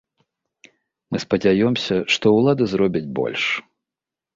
Мы спадзяёмся, што ўлады зробяць больш.